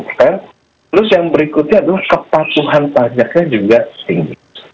terus yang berikutnya adalah kepatuhan pajaknya juga tinggi